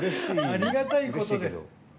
ありがたいことです。